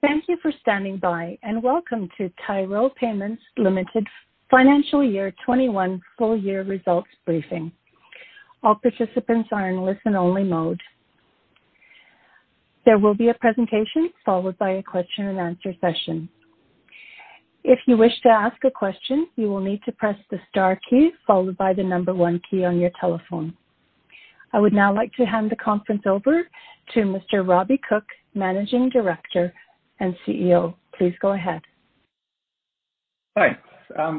Thank you for standing by. Welcome to Tyro Payments Limited Financial Year 2021 Full Year Results briefing. All participants are in listen-only mode. There will be a presentation followed by a question-and-answer session. If you wish to ask a question, you will need to press the star key followed by the number one key on your telephone. I would now like to hand the conference over to Mr. Robbie Cooke, Managing Director and CEO. Please go ahead. Thanks.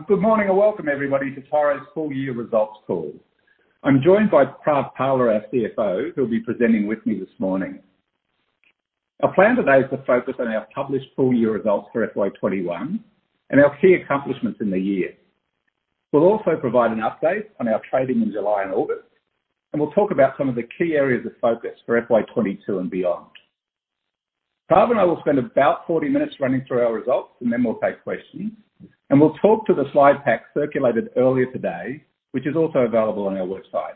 Good morning and welcome everybody to Tyro's full-year results call. I am joined by Prav Pala, our CFO, who will be presenting with me this morning. Our plan today is to focus on our published full-year results for FY 2021 and our key accomplishments in the year. We will also provide an update on our trading in July and August, and we will talk about some of the key areas of focus for FY 2022 and beyond. Prav and I will spend about 40 minutes running through our results, and then we will take questions, and we will talk to the slide pack circulated earlier today, which is also available on our website.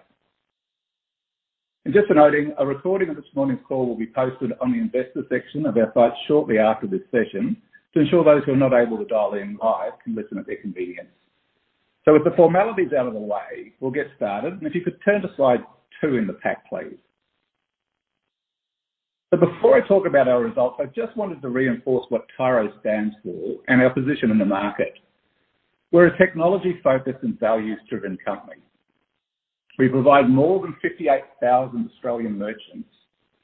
Just for noting, a recording of this morning's call will be posted on the investor section of our site shortly after this session to ensure those who are not able to dial in live can listen at their convenience. With the formalities out of the way, we'll get started, and if you could turn to slide 2 in the pack, please. Before I talk about our results, I just wanted to reinforce what Tyro stands for and our position in the market. We're a technology-focused and values-driven company. We provide more than 58,000 Australian merchants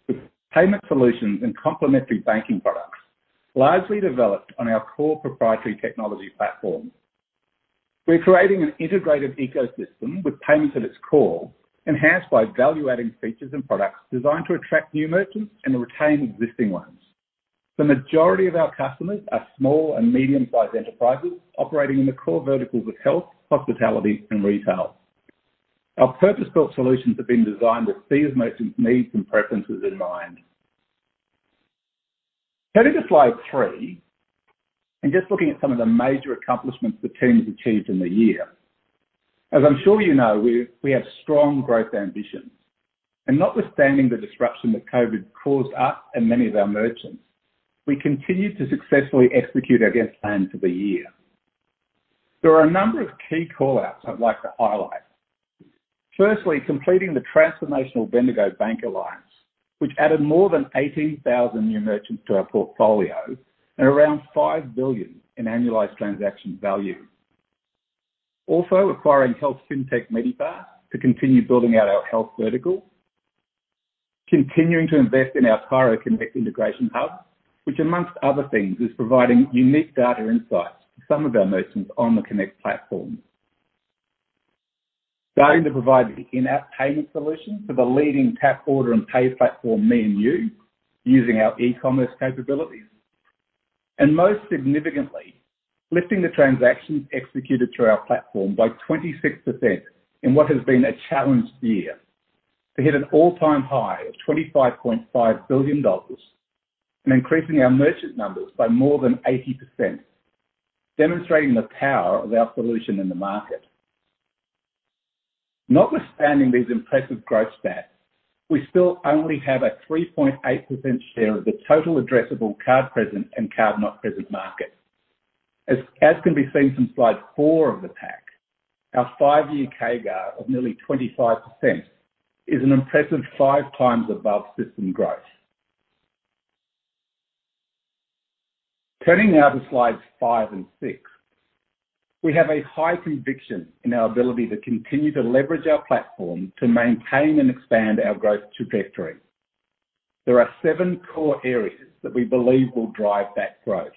with payment solutions and complementary banking products, largely developed on our core proprietary technology platform. We're creating an integrated ecosystem with payments at its core, enhanced by value-adding features and products designed to attract new merchants and retain existing ones. The majority of our customers are small and medium-sized enterprises operating in the core verticals of health, hospitality, and retail. Our purpose-built solutions have been designed with these merchants' needs and preferences in mind. Turning to slide 3, just looking at some of the major accomplishments the team's achieved in the year. As I'm sure you know, we have strong growth ambitions. Notwithstanding the disruption that COVID caused us and many of our merchants, we continued to successfully execute against plan for the year. There are a number of key call-outs I'd like to highlight. Firstly, completing the transformational Bendigo Bank alliance, which added more than 18,000 new merchants to our portfolio and around 5 billion in annualized transaction value. Also acquiring health fintech Medipass to continue building out our health vertical. Continuing to invest in our Tyro Connect integration hub, which, amongst other things, is providing unique data insights to some of our merchants on the Connect platform. Starting to provide the in-app payment solution for the leading tap order and pay platform, me&u, using our e-commerce capabilities. Most significantly, lifting the transactions executed through our platform by 26% in what has been a challenged year to hit an all-time high of 25.5 billion dollars and increasing our merchant numbers by more than 80%, demonstrating the power of our solution in the market. Notwithstanding these impressive growth stats, we still only have a 3.8% share of the total addressable card-present and card-not-present market. As can be seen from slide 4 of the pack, our five year CAGR of nearly 25% is an impressive 5x above system growth. Turning now to slides 5 and 6. We have a high conviction in our ability to continue to leverage our platform to maintain and expand our growth trajectory. There are seven core areas that we believe will drive that growth.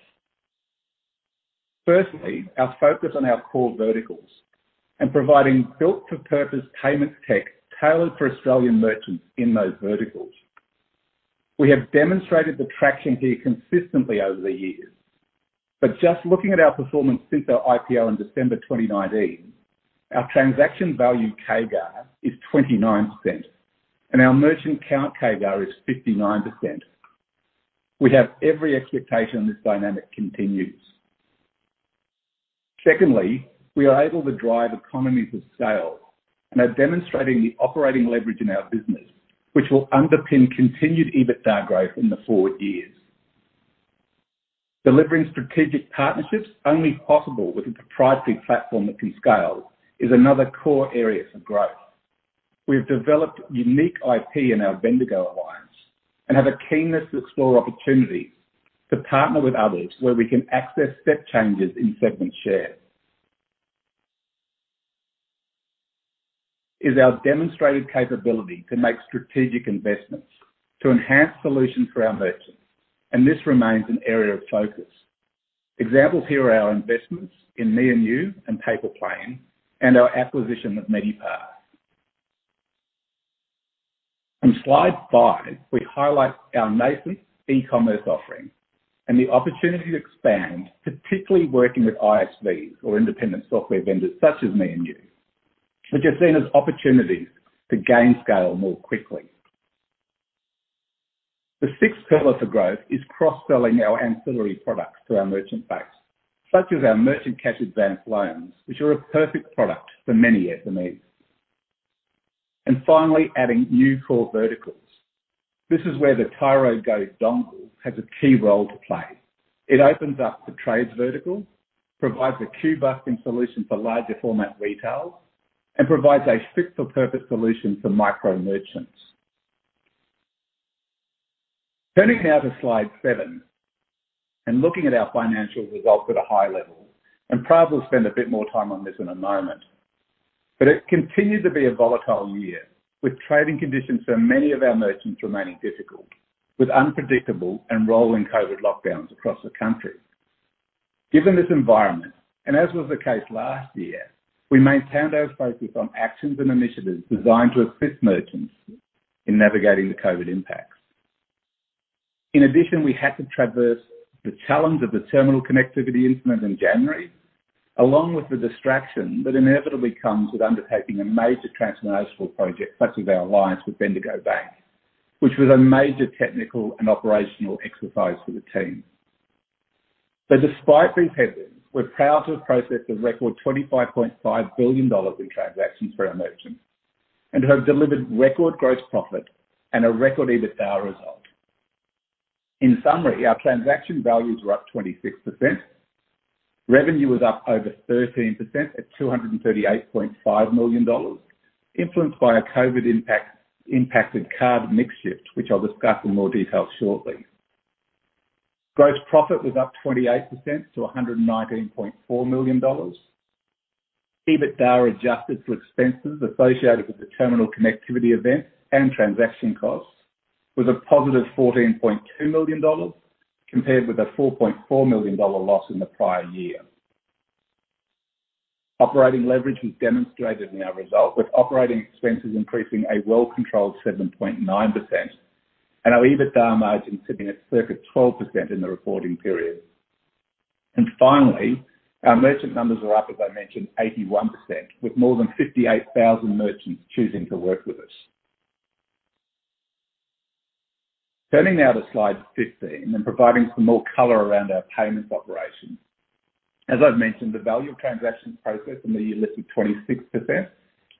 Firstly, our focus on our core verticals and providing built-for-purpose payments tech tailored for Australian merchants in those verticals. We have demonstrated the traction here consistently over the years. Just looking at our performance since our IPO in December 2019, our transaction value CAGR is 29%, and our merchant count CAGR is 59%. We have every expectation this dynamic continues. Secondly, we are able to drive economies of scale and are demonstrating the operating leverage in our business, which will underpin continued EBITDA growth in the forward years. Delivering strategic partnerships only possible with a proprietary platform that can scale is another core area for growth. We've developed unique IP in our Bendigo alliance and have a keenness to explore opportunities to partner with others where we can access step changes in segment share. Is our demonstrated capability to make strategic investments to enhance solutions for our merchants, and this remains an area of focus. Examples here are our investments in me&u and Paypa Plane and our acquisition of Medipass. On Slide 5, we highlight our nascent e-commerce offering and the opportunity to expand, particularly working with ISVs or Independent Software Vendors such as me&u, which are seen as opportunities to gain scale more quickly. The sixth pillar for growth is cross-selling our ancillary products to our merchant base, such as our merchant cash advance loans, which are a perfect product for many SMEs. Finally, adding new core verticals. This is where the Tyro Go dongle has a key role to play. It opens up the trades vertical, provides a queue-busting solution for larger format retails, and provides a fit-for-purpose solution for micro merchants. Turning now to Slide 7, looking at our financial results at a high level, Prav will spend a bit more time on this in a moment. It continued to be a volatile year, with trading conditions for many of our merchants remaining difficult, with unpredictable and rolling COVID lockdowns across the country. Given this environment, and as was the case last year, we maintained our focus on actions and initiatives designed to assist merchants in navigating the COVID impacts. In addition, we had to traverse the challenge of the terminal connectivity incident in January, along with the distraction that inevitably comes with undertaking a major transformational project such as our alliance with Bendigo Bank, which was a major technical and operational exercise for the team. Despite these headwinds, we're proud to have processed a record 25.5 billion dollars in transactions for our merchants, and have delivered record gross profit and a record EBITDA result. In summary, our transaction values were up 26%. Revenue was up over 13% at 238.5 million dollars, influenced by a COVID-impacted card mix shift, which I'll discuss in more detail shortly. Gross profit was up 28% to 119.4 million dollars. EBITDA adjusted for expenses associated with the terminal connectivity event and transaction costs was a positive 14.2 million dollars, compared with a 4.4 million dollar loss in the prior year. Operating leverage was demonstrated in our result, with operating expenses increasing a well-controlled 7.9%, and our EBITDA margin sitting at circa 12% in the reporting period. Finally, our merchant numbers are up, as I mentioned, 81%, with more than 58,000 merchants choosing to work with us. Turning now to Slide 15, and providing some more color around our payments operations. As I've mentioned, the value of transactions processed in the year lifted 26%,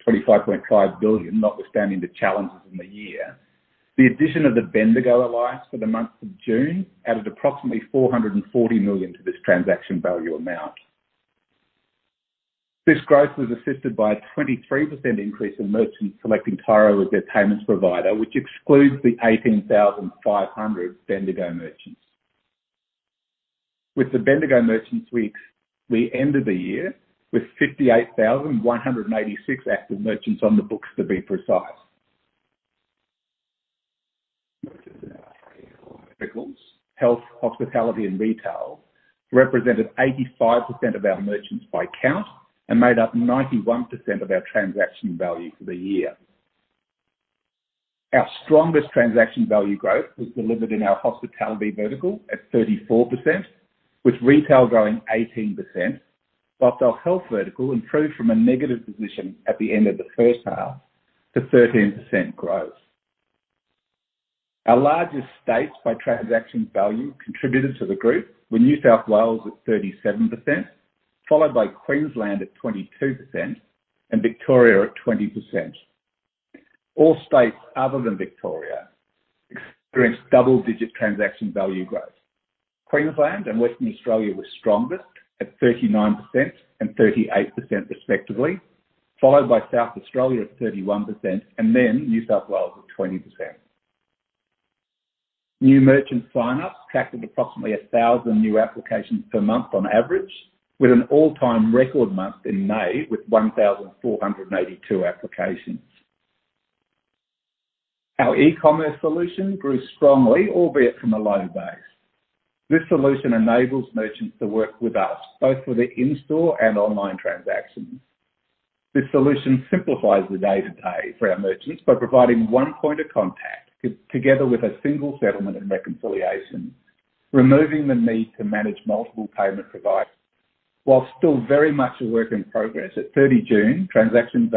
25.5 billion, notwithstanding the challenges in the year. The addition of the Bendigo alliance for the month of June added approximately 440 million to this transaction value amount. This growth was assisted by a 23% increase in merchants selecting Tyro as their payments provider, which excludes the 18,500 Bendigo merchants. With the Bendigo merchants, we ended the year with 58,186 active merchants on the books, to be precise. Merchant by vertical. Health, hospitality, and retail represented 85% of our merchants by count and made up 91% of our transaction value for the year. Our strongest transaction value growth was delivered in our hospitality vertical at 34%, with retail growing 18%, whilst our health vertical improved from a negative position at the end of the first half to 13% growth. Our largest states by transaction value contributed to the group were New South Wales at 37%, followed by Queensland at 22%, and Victoria at 20%. All states other than Victoria experienced double-digit transaction value growth. Queensland and Western Australia were strongest at 39% and 38% respectively, followed by South Australia at 31%, and then New South Wales at 20%. New merchant sign-ups capped at approximately 1,000 new applications per month on average, with an all-time record month in May with 1,482 applications. Our e-commerce solution grew strongly, albeit from a low base. This solution enables merchants to work with us both for their in-store and online transactions. This solution simplifies the day-to-day for our merchants by providing one point of contact together with a single settlement and reconciliation, removing the need to manage multiple payment providers. While still very much a work in progress, at 30 June, transaction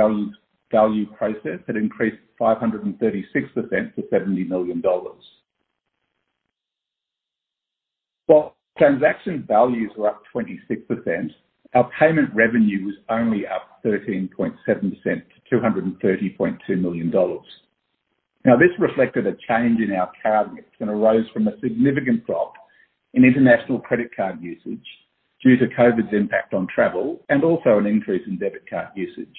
value processed had increased 536% to AUD 70 million. While transaction values were up 26%, our payment revenue was only up 13.7% to 230.2 million dollars. Now, this reflected a change in our card mix and arose from a significant drop in international credit card usage due to COVID's impact on travel, and also an increase in debit card usage.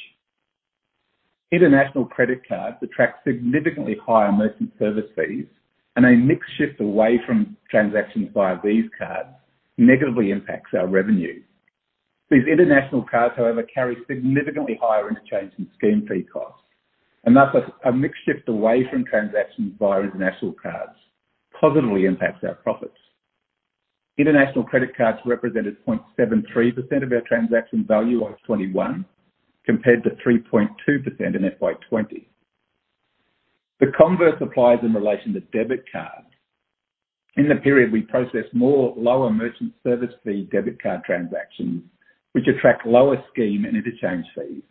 International credit cards attract significantly higher merchant service fees, and a mix shift away from transactions via these cards negatively impacts our revenue. These international cards, however, carry significantly higher interchange and scheme fee costs, and thus, a mix shift away from transactions via international cards positively impacts our profits. International credit cards represented 0.73% of our transaction value FY 2021, compared to 3.2% in FY 2020. The converse applies in relation to debit cards. In the period, we processed more lower merchant service fee debit card transactions, which attract lower scheme and interchange fees,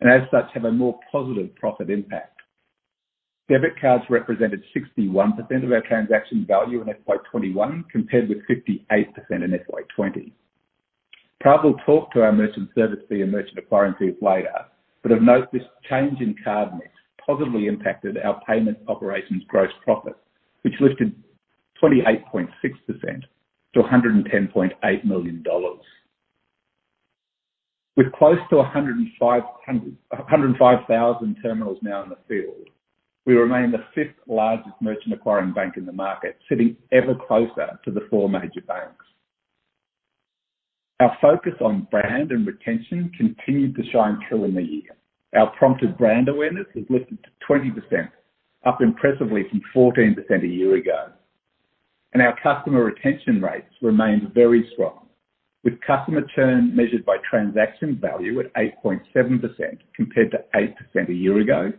and as such, have a more positive profit impact. Debit cards represented 61% of our transaction value in FY 2021, compared with 58% in FY 2020. Prav talked to our merchant service fee and merchant acquiring fees later. Of note, this change in card mix positively impacted our payments operations gross profit, which lifted 28.6% to 110.8 million dollars. With close to 105,000 terminals now in the field, we remain the fifth-largest merchant acquiring bank in the market, sitting ever closer to the four major banks. Our focus on brand and retention continued to shine through in the year. Our prompted brand awareness has lifted to 20%, up impressively from 14% a year ago. Our customer retention rates remained very strong, with customer churn measured by transaction value at 8.7%, compared to 8% a year ago,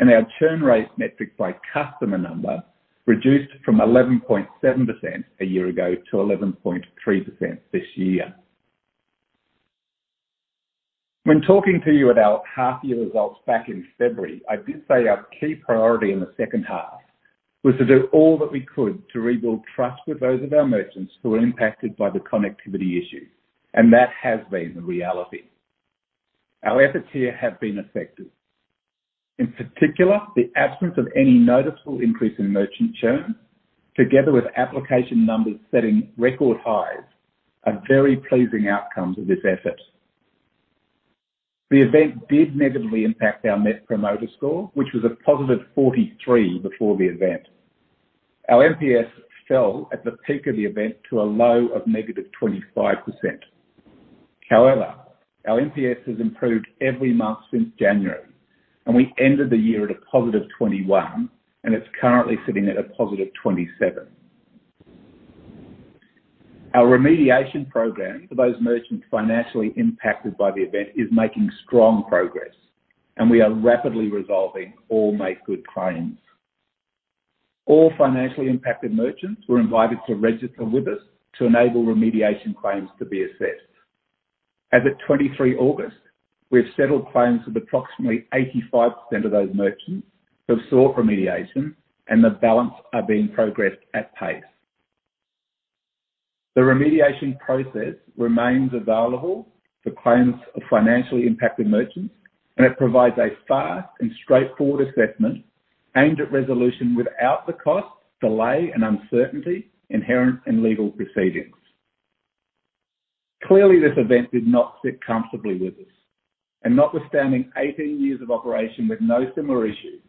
and our churn rate metric by customer number reduced from 11.7% a year ago to 11.3% this year. When talking to you at our half-year results back in February, I did say our key priority in the second half was to do all that we could to rebuild trust with those of our merchants who were impacted by the connectivity issue, and that has been the reality. Our efforts here have been effective. In particular, the absence of any noticeable increase in merchant churn, together with application numbers setting record highs, are very pleasing outcomes of this effort. The event did negatively impact our Net Promoter Score, which was a +43 before the event. Our NPS fell at the peak of the event to a low of -25%. However, our NPS has improved every month since January, and we ended the year at a +21, and it's currently sitting at a +27. Our remediation program for those merchants financially impacted by the event is making strong progress, and we are rapidly resolving all make good claims. All financially impacted merchants were invited to register with us to enable remediation claims to be assessed. As at 23 August, we've settled claims of approximately 85% of those merchants who have sought remediation, and the balance are being progressed at pace. The remediation process remains available for claims of financially impacted merchants, and it provides a fast and straightforward assessment aimed at resolution without the cost, delay, and uncertainty inherent in legal proceedings. Clearly, this event did not sit comfortably with us. Notwithstanding 18 years of operation with no similar issues,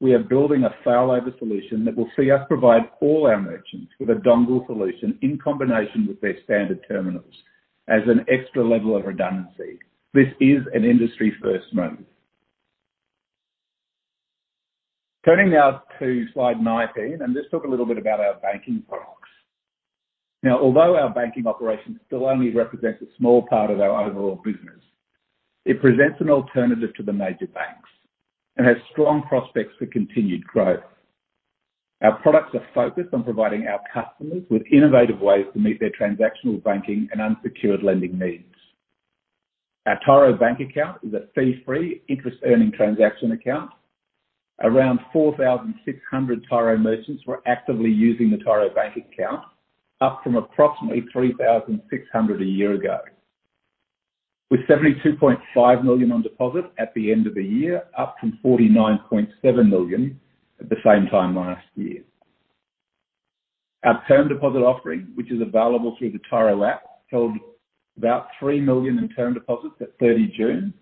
we are building a failover solution that will see us provide all our merchants with a dongle solution in combination with their standard terminals as an extra level of redundancy. This is an industry-first move. Turning now to slide 19, and let's talk a little bit about our banking products. Now, although our banking operations still only represents a small part of our overall business, it presents an alternative to the major banks and has strong prospects for continued growth. Our products are focused on providing our customers with innovative ways to meet their transactional banking and unsecured lending needs. Our Tyro Bank Account is a fee-free, interest-earning transaction account. Around 4,600 Tyro merchants were actively using the Tyro Bank Account, up from approximately 3,600 a year ago. With 72.5 million on deposit at the end of the year, up from 49.7 million at the same time last year. Our term deposit offering, which is available through the Tyro App, held about 3 million in term deposits at 30 June,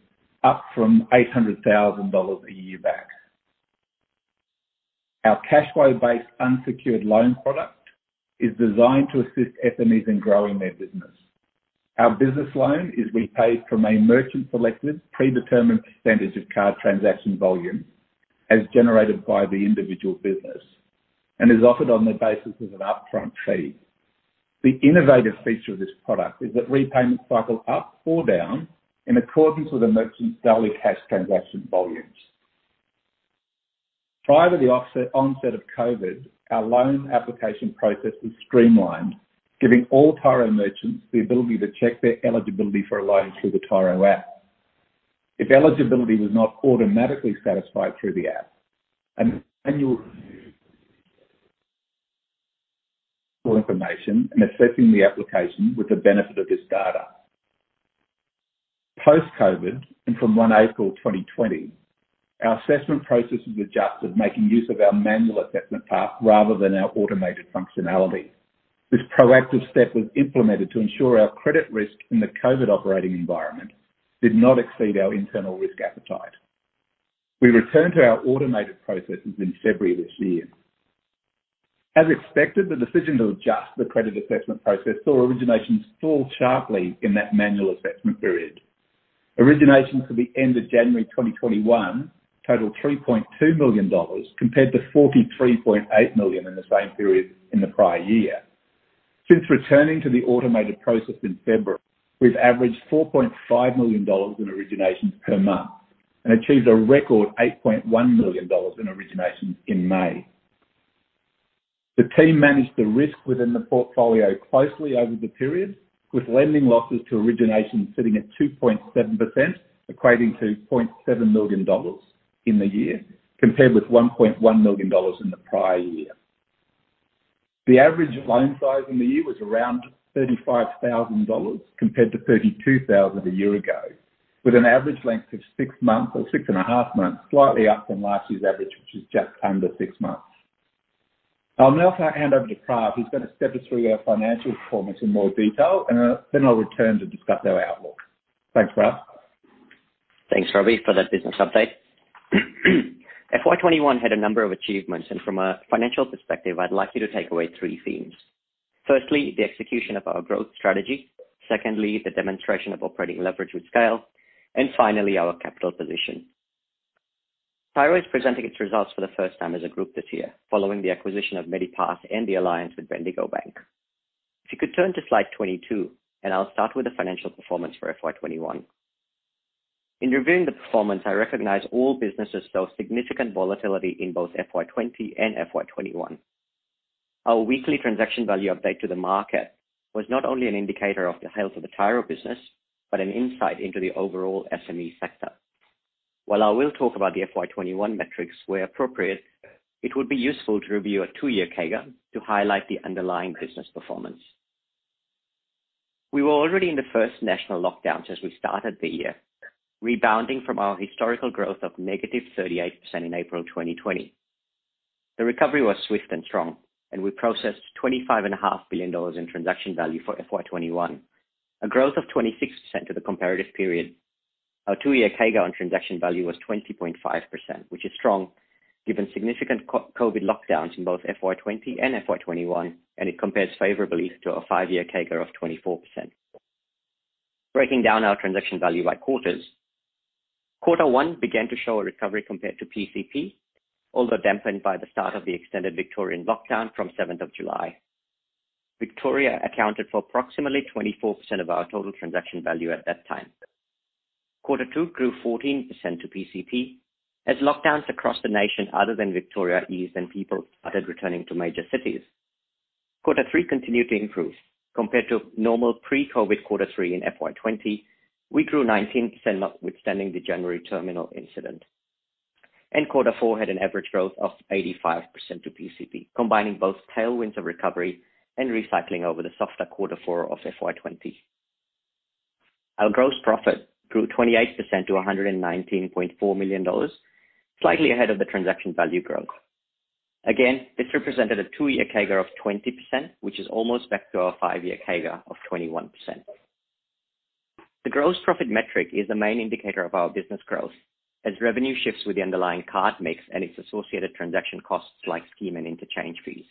up from 800,000 dollars a year back. Our cash flow-based unsecured loan product is designed to assist SME in growing their business. Our business loan is repaid from a merchant-selected predetermined percentage of card transaction volume as generated by the individual business and is offered on the basis of an upfront fee. The innovative feature of this product is that repayment cycle up or down in accordance with the merchant's daily cash transaction volumes. Prior to the onset of COVID, our loan application process was streamlined, giving all Tyro merchants the ability to check their eligibility for a loan through the Tyro App. If eligibility was not automatically satisfied through the app, a manual review information and assessing the application with the benefit of this data. Post-COVID, and from 1 April 2020, our assessment process was adjusted, making use of our manual assessment path rather than our automated functionality. This proactive step was implemented to ensure our credit risk in the COVID operating environment did not exceed our internal risk appetite. We returned to our automated processes in February this year. As expected, the decision to adjust the credit assessment process saw originations fall sharply in that manual assessment period. Originations for the end of January 2021 totaled 3.2 million dollars, compared to 43.8 million in the same period in the prior year. Since returning to the automated process in February, we've averaged 4.5 million dollars in originations per month and achieved a record 8.1 million dollars in originations in May. The team managed the risk within the portfolio closely over the period, with lending losses to origination sitting at 2.7%, equating to 2.7 million dollars in the year, compared with 1.1 million dollars in the prior year. The average loan size in the year was around 35,000 dollars, compared to 32,000 a year ago, with an average length of six months or 6.5 months, slightly up from last year's average, which is just under six months. I'll now hand over to Prav. He's going to step us through our financial performance in more detail, and then I'll return to discuss our outlook. Thanks, Prav. Thanks, Robbie, for that business update. FY 2021 had a number of achievements, and from a financial perspective, I'd like you to take away three themes. Firstly, the execution of our growth strategy. Secondly, the demonstration of operating leverage with scale. Finally, our capital position. Tyro is presenting its results for the first time as a group this year, following the acquisition of Medipass and the alliance with Bendigo Bank. If you could turn to slide 22, and I'll start with the financial performance for FY 2021. In reviewing the performance, I recognize all businesses saw significant volatility in both FY 2020 and FY 2021. Our weekly transaction value update to the market was not only an indicator of the health of the Tyro business, but an insight into the overall SME sector. While I will talk about the FY 2021 metrics where appropriate, it would be useful to review a 2-year CAGR to highlight the underlying business performance. We were already in the first national lockdowns as we started the year, rebounding from our historical growth of negative 38% in April 2020. The recovery was swift and strong, we processed 25.5 billion dollars in transaction value for FY 2021, a growth of 26% to the comparative period. Our two year CAGR on transaction value was 20.5%, which is strong given significant COVID lockdowns in both FY 2020 and FY 2021, and it compares favorably to a five year CAGR of 24%. Breaking down our transaction value by quarters. Quarter one began to show a recovery compared to pcp, although dampened by the start of the extended Victorian lockdown from 7th of July. Victoria accounted for approximately 24% of our total transaction value at that time. Quarter two grew 14% to PCP as lockdowns across the nation other than Victoria eased and people started returning to major cities. Quarter three continued to improve compared to normal pre-COVID quarter three in FY 2020, we grew 19% notwithstanding the January terminal incident. Quarter four had an average growth of 85% to PCP, combining both tailwinds of recovery and recycling over the softer Quarter four of FY 2020. Our gross profit grew 28% to 119.4 million dollars, slightly ahead of the transaction value growth. Again, this represented a two year CAGR of 20%, which is almost back to our five year CAGR of 21%. The gross profit metric is the main indicator of our business growth as revenue shifts with the underlying card mix and its associated transaction costs like scheme and interchange fees.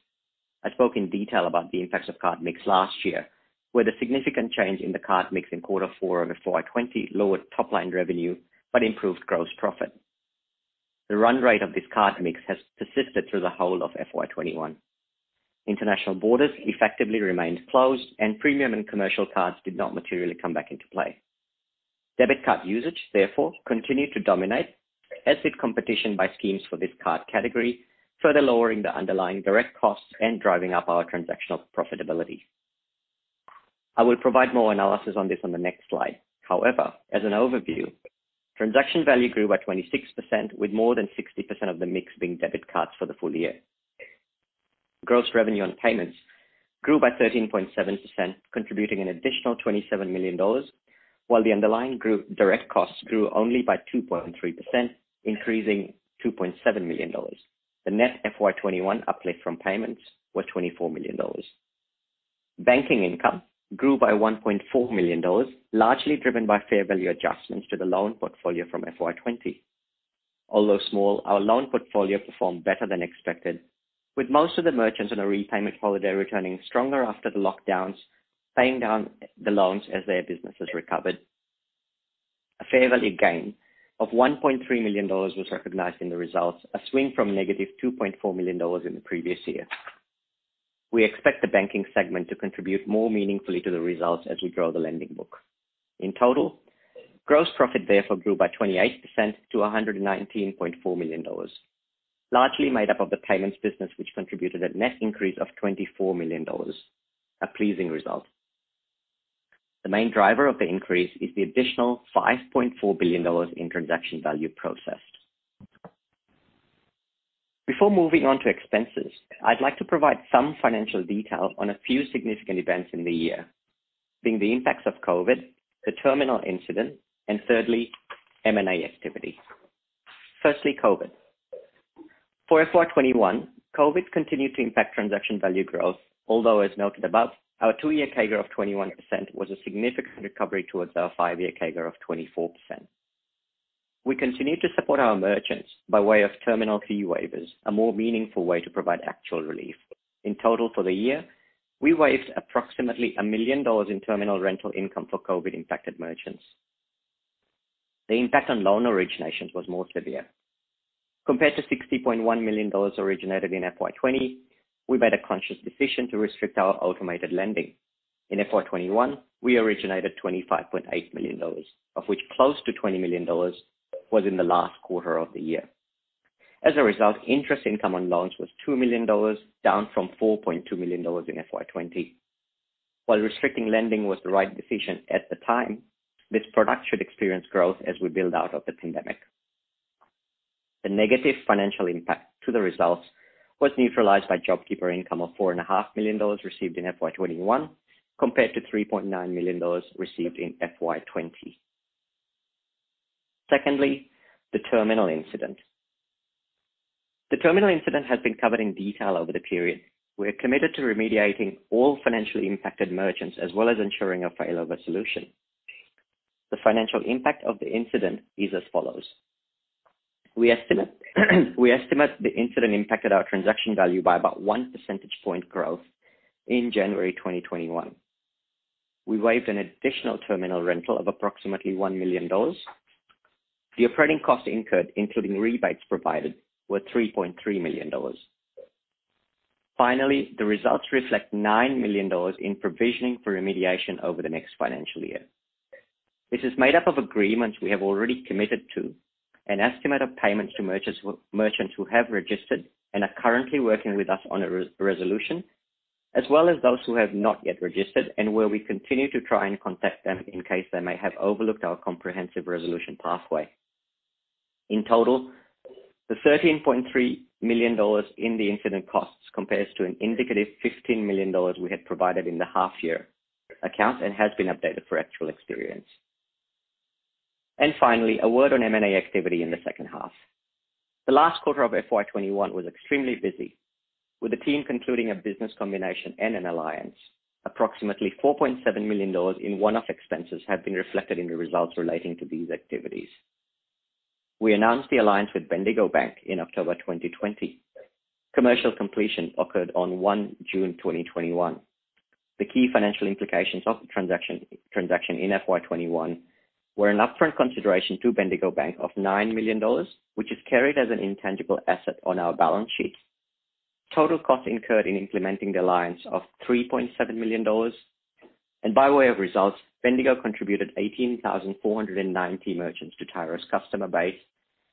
I spoke in detail about the impacts of card mix last year, where the significant change in the card mix in quarter four of FY 2020 lowered top-line revenue but improved gross profit. The run rate of this card mix has persisted through the whole of FY 2021. International borders effectively remained closed and premium and commercial cards did not materially come back into play. Debit card usage, therefore, continued to dominate as did competition by schemes for this card category, further lowering the underlying direct costs and driving up our transactional profitability. I will provide more analysis on this on the next slide. However, as an overview, transaction value grew by 26%, with more than 60% of the mix being debit cards for the full year. Gross revenue on payments grew by 13.7%, contributing an additional 27 million dollars, while the underlying direct costs grew only by 2.3%, increasing 2.7 million dollars. The net FY 2021 uplift from payments were 24 million dollars. Banking income grew by 1.4 million dollars, largely driven by fair value adjustments to the loan portfolio from FY 2020. Although small, our loan portfolio performed better than expected, with most of the merchants on a repayment holiday returning stronger after the lockdowns, paying down the loans as their businesses recovered. A fair value gain of 1.3 million dollars was recognized in the results, a swing from -2.4 million dollars in the previous year. We expect the banking segment to contribute more meaningfully to the results as we grow the lending book. In total, gross profit therefore grew by 28% to 119.4 million dollars, largely made up of the payments business, which contributed a net increase of 24 million dollars. A pleasing result. The main driver of the increase is the additional 5.4 billion dollars in transaction value processed. Before moving on to expenses, I'd like to provide some financial details on a few significant events in the year, being the impacts of COVID, the terminal incident, and thirdly, M&A activity. Firstly, COVID. For FY 2021, COVID continued to impact transaction value growth, although as noted above, our two-year CAGR of 21% was a significant recovery towards our five-year CAGR of 24%. We continued to support our merchants by way of terminal fee waivers, a more meaningful way to provide actual relief. In total for the year, we waived approximately 1 million dollars in terminal rental income for COVID-impacted merchants. The impact on loan originations was more severe. Compared to 60.1 million dollars originated in FY 2020, we made a conscious decision to restrict our automated lending. In FY 2021, we originated 25.8 million dollars, of which close to 20 million dollars was in the last quarter of the year. As a result, interest income on loans was 2 million dollars, down from 4.2 million dollars in FY 2020. While restricting lending was the right decision at the time, this product should experience growth as we build out of the pandemic. The negative financial impact to the results was neutralized by JobKeeper income of 4.5 million dollars received in FY 2021, compared to 3.9 million dollars received in FY 2020. Secondly, the terminal incident. The terminal incident has been covered in detail over the period. We're committed to remediating all financially impacted merchants, as well as ensuring a failover solution. The financial impact of the incident is as follows. We estimate the incident impacted our transaction value by about 1 percentage point growth in January 2021. We waived an additional terminal rental of approximately 1 million dollars. The operating costs incurred, including rebates provided, were 3.3 million dollars. Finally, the results reflect 9 million dollars in provisioning for remediation over the next financial year. This is made up of agreements we have already committed to, an estimate of payments to merchants who have registered and are currently working with us on a resolution, as well as those who have not yet registered and where we continue to try and contact them in case they may have overlooked our comprehensive resolution pathway. In total, the 13.3 million dollars in the incident costs compares to an indicative 15 million dollars we had provided in the half year account and has been updated for actual experience. Finally, a word on M&A activity in the second half. The last quarter of FY 2021 was extremely busy, with the team concluding a business combination and an alliance. Approximately 4.7 million dollars in one-off expenses have been reflected in the results relating to these activities. We announced the alliance with Bendigo Bank in October 2020. Commercial completion occurred on 1 June 2021. The key financial implications of the transaction in FY 2021 were an upfront consideration to Bendigo Bank of 9 million dollars, which is carried as an intangible asset on our balance sheet. Total cost incurred in implementing the alliance of 3.7 million dollars. By way of results, Bendigo contributed 18,490 merchants to Tyro's customer base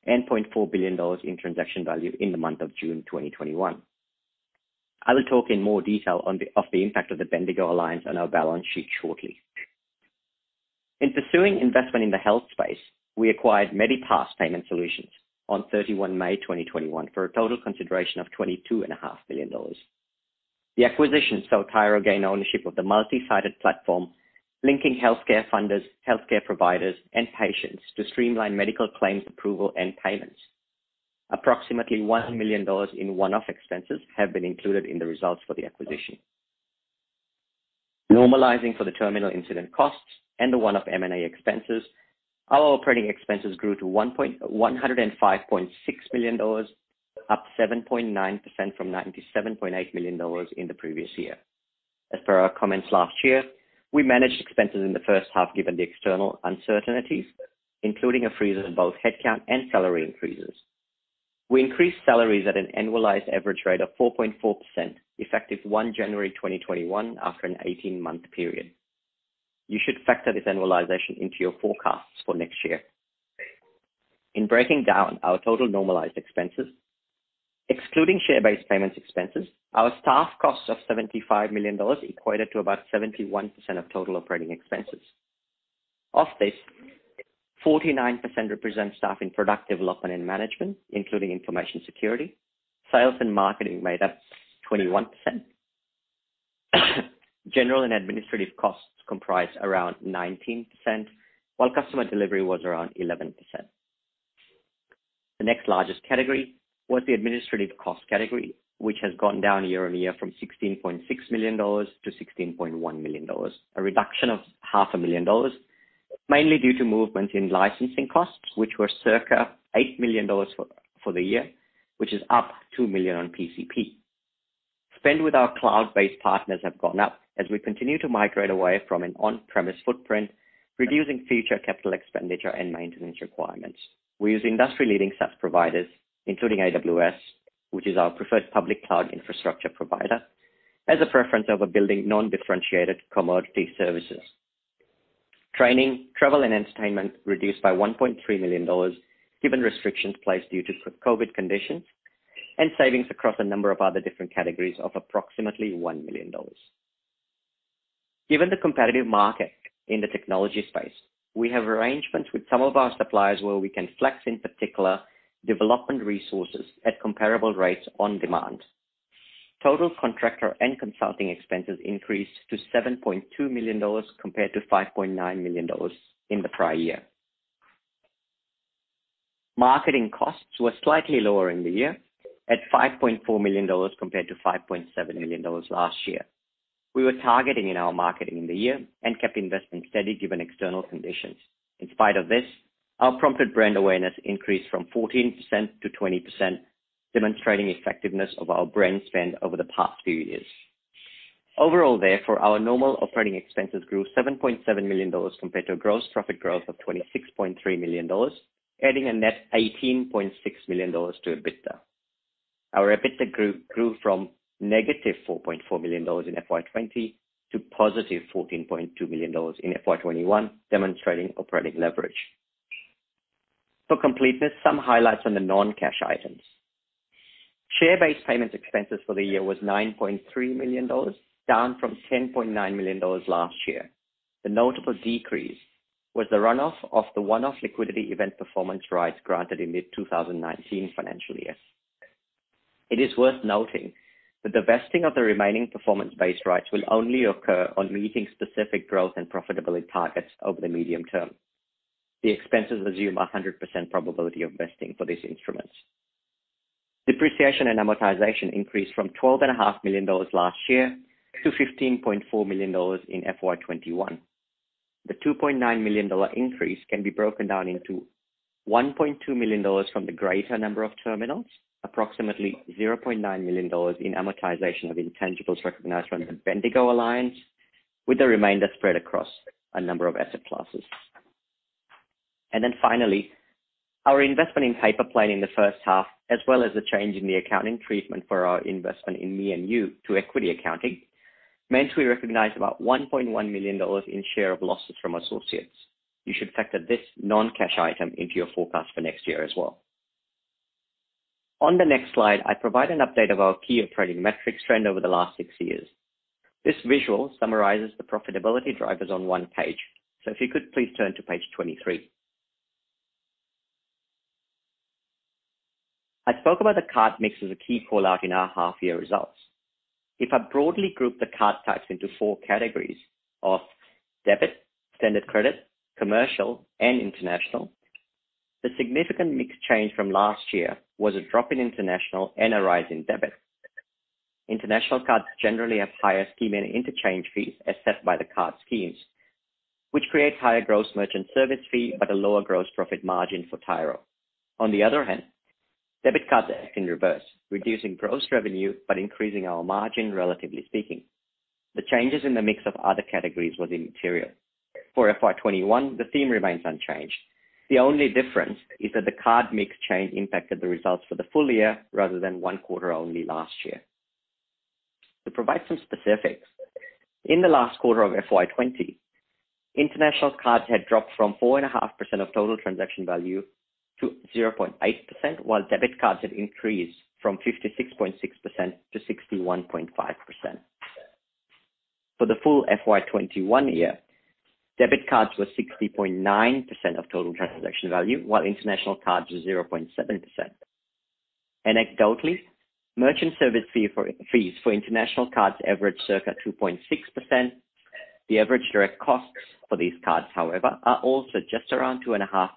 and 0.4 billion dollars in transaction value in the month of June 2021. I will talk in more detail of the impact of the Bendigo alliance on our balance sheet shortly. In pursuing investment in the health space, we acquired Medipass Solutions on 31 May 2021 for a total consideration of 22.5 million dollars. The acquisition saw Tyro gain ownership of the multi-sided platform linking healthcare funders, healthcare providers, and patients to streamline medical claims approval and payments. Approximately 1 million dollars in one-off expenses have been included in the results for the acquisition. Normalizing for the terminal incident costs and the one-off M&A expenses, our operating expenses grew to 105.6 million dollars, up 7.9% from 97.8 million dollars in the previous year. As per our comments last year, we managed expenses in the first half given the external uncertainties, including a freeze in both headcount and salary increases. We increased salaries at an annualized average rate of 4.4% effective 1 January 2021 after an 18-month period. You should factor this annualization into your forecasts for next year. In breaking down our total normalized expenses, excluding share-based payments expenses, our staff costs of 75 million dollars equated to about 71% of total operating expenses. Of this, 49% represents staff in product development and management, including information security. Sales and marketing made up 21%. General and administrative costs comprise around 19%, while customer delivery was around 11%. The next largest category was the administrative cost category, which has gone down year-on-year from 16.6 million dollars to 16.1 million dollars, a reduction of half a million AUD, mainly due to movement in licensing costs, which were circa 8 million dollars for the year, which is up 2 million on PCP. Spend with our cloud-based partners have gone up as we continue to migrate away from an on-premise footprint, reducing future capital expenditure and maintenance requirements. We use industry-leading SaaS providers, including AWS, which is our preferred public cloud infrastructure provider, as a preference over building non-differentiated commodity services. Training, travel, and entertainment reduced by 1.3 million dollars, given restrictions placed due to COVID conditions, and savings across a number of other different categories of approximately 1 million dollars. Given the competitive market in the technology space, we have arrangements with some of our suppliers where we can flex, in particular, development resources at comparable rates on demand. Total contractor and consulting expenses increased to 7.2 million dollars compared to 5.9 million dollars in the prior year. Marketing costs were slightly lower in the year at 5.4 million dollars compared to 5.7 million dollars last year. We were targeting in our marketing in the year and kept investment steady given external conditions. In spite of this, our prompted brand awareness increased from 14% to 20%, demonstrating effectiveness of our brand spend over the past few years. Overall, therefore, our normal operating expenses grew 7.7 million dollars compared to a gross profit growth of 26.3 million dollars, adding a net 18.6 million dollars to EBITDA. Our EBITDA grew from negative 4.4 million dollars in FY 2020 to positive 14.2 million dollars in FY 2021, demonstrating operating leverage. For completeness, some highlights on the non-cash items. Share-based payments expenses for the year was 9.3 million dollars, down from 10.9 million dollars last year. The notable decrease was the runoff of the one-off liquidity event performance rights granted in mid-2019 financial year. It is worth noting that the vesting of the remaining performance-based rights will only occur on meeting specific growth and profitability targets over the medium term. The expenses assume 100% probability of vesting for these instruments. Depreciation and amortization increased from 12.5 million dollars last year to 15.4 million dollars in FY 2021. The 2.9 million dollar increase can be broken down into 1.2 million dollars from the greater number of terminals, approximately 0.9 million dollars in amortization of intangibles recognized from the Bendigo alliance, with the remainder spread across a number of asset classes. Finally, our investment in Paypa Plane in the first half, as well as a change in the accounting treatment for our investment in me&u to equity accounting, meant we recognized about 1.1 million dollars in share of losses from associates. You should factor this non-cash item into your forecast for next year as well. On the next slide, I provide an update of our key operating metrics trend over the last six years. This visual summarizes the profitability drivers on one page. If you could please turn to page 23. I spoke about the card mix as a key call-out in our half-year results. If I broadly group the card types into four categories of debit, standard credit, commercial, and international, the significant mix change from last year was a drop in international and a rise in debit. International cards generally have higher scheme and interchange fees as set by the card schemes, which creates higher gross merchant service fee but a lower gross profit margin for Tyro. On the other hand, debit cards act in reverse, reducing gross revenue but increasing our margin, relatively speaking. The changes in the mix of other categories was immaterial. For FY 2021, the theme remains unchanged. The only difference is that the card mix change impacted the results for the full year rather than one quarter only last year. To provide some specifics, in the last quarter of FY 2020, international cards had dropped from 4.5% of total transaction value to 0.8%, while debit cards had increased from 56.6%-61.5%. For the full FY 2021 year, debit cards were 60.9% of total transaction value, while international cards were 0.7%. Anecdotally, merchant service fees for international cards average circa 2.6%. The average direct costs for these cards, however, are also just around 2.5%,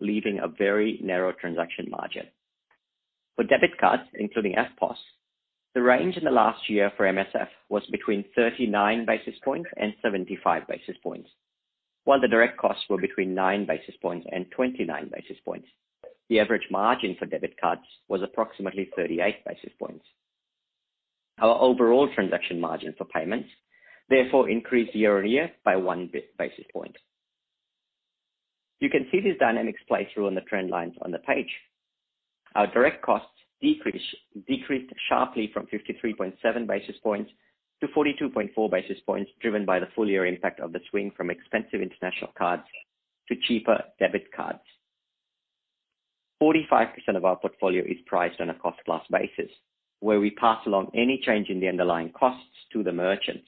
leaving a very narrow transaction margin. For debit cards, including EFTPOS, the range in the last year for MSF was between 39 basis points and 75 basis points, while the direct costs were between 9 basis points and 29 basis points. The average margin for debit cards was approximately 38 basis points. Our overall transaction margin for payments therefore increased year-on-year by 1 basis point. You can see these dynamics play through on the trend lines on the page. Our direct costs decreased sharply from 53.7 basis points to 42.4 basis points, driven by the full-year impact of the swing from expensive international cards to cheaper debit cards. 45% of our portfolio is priced on a cost-plus basis, where we pass along any change in the underlying costs to the merchants.